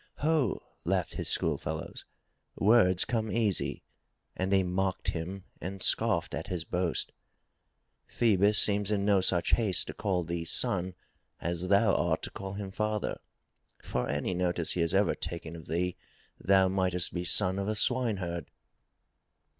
"Ho!'' laughed his schoolfellows, "Words come easy.*' And they mocked him and scoffed at his boast. "Phoebus seems in no such haste to call thee son as thou art to call him father. For any notice he has ever taken of thee, thou mightest be son of a swineherd."